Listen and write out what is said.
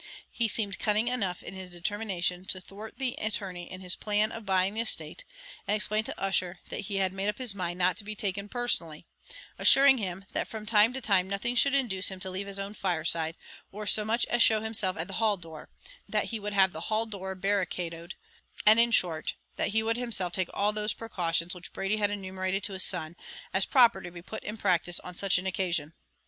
He seemed cunning enough in his determination to thwart the attorney in his plan of buying the estate, and explained to Ussher that he had made up his mind not to be taken personally; assuring him, that from that time nothing should induce him to leave his own fireside, or so much as show himself at the hall door; that he would have the hall door barricadoed; and, in short, that he would himself take all those precautions which Brady had enumerated to his son, as proper to be put in practice on such an occasion.